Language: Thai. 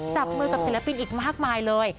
จับมือกับศิลปินอีกมากมายเลย